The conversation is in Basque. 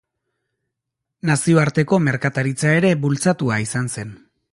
Nazioarteko merkataritza ere bultzatua izan zen.